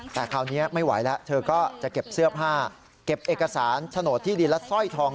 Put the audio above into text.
แต่คราวนี้ไม่ไหวแล้วเธอก็จะเก็บเสื้อผ้าเก็บเอกสารโฉนดที่ดินและสร้อยทอง